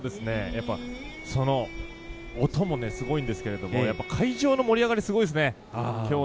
音もすごいんですけど会場の盛り上がりすごいですね。